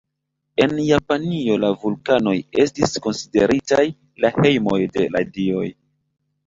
En Japanio la vulkanoj estis konsideritaj la hejmoj de la dioj.